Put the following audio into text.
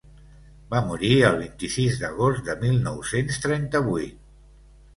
Va morir el vint-i-sis d’agost de mil nou-cents trenta-vuit.